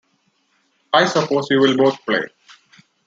I suppose you will both play.